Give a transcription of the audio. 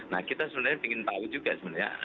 nah kita sebenarnya ingin tahu juga sebenarnya